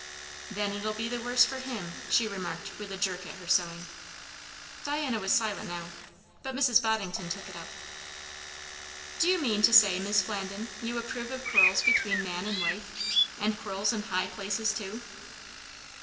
"Then it'll be the worse for him!" she remarked with a jerk at her sewing. Diana was silent now, but Mrs. Boddington took it up. "Do you mean to say, Mis' Flandin, you approve of quarrels between man and wife? and quarrels in high places, too?"